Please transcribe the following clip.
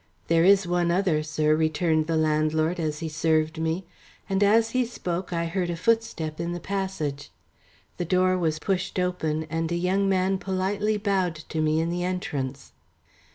"There is one other, sir," returned the landlord as he served me, and as he spoke I heard a footstep in the passage. The door was pushed open, and a young man politely bowed to me in the entrance.